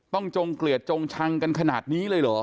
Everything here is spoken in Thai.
จงเกลียดจงชังกันขนาดนี้เลยเหรอ